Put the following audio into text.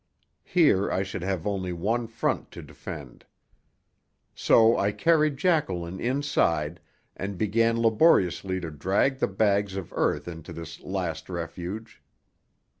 Here I should have only one front to defend. So I carried Jacqueline inside and began laboriously to drag the bags of earth into this last refuge.